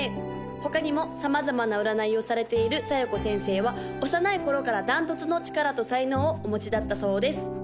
他にも様々な占いをされている小夜子先生は幼い頃から断トツの力と才能をお持ちだったそうです